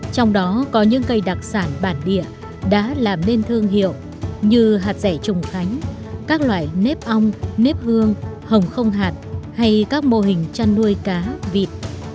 trong đó có những cây đặc sản bản địa đã làm nên thương hiệu như hạt rẻ trùng khánh các loại nếp ong nếp hương hồng không hạt hay các mô hình chăn nuôi cá vịt